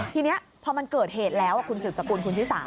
ทีนี้พอมันเกิดเหตุแล้วคุณสืบสกุลคุณชิสา